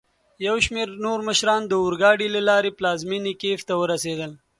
یوشمیرنورمشران داورګاډي له لاري پلازمېني کېف ته ورسېدل.